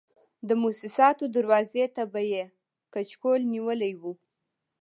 د موسساتو دروازې ته به یې کچکول نیولی و.